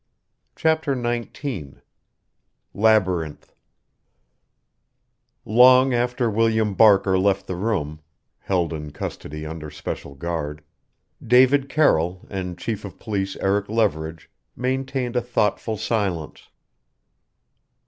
CHAPTER XIX LABYRINTH Long after William Barker left the room held in custody under special guard David Carroll and Chief of Police Eric Leverage maintained a thoughtful silence.